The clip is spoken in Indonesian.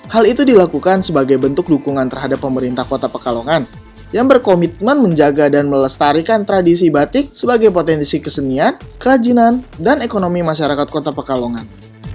hal itu dilakukan sebagai bentuk dukungan terhadap pemerintah kota pekalongan yang berkomitmen menjaga dan melestarikan tradisi batik sebagai potensi kesenian kerajinan dan ekonomi masyarakat kota pekalongan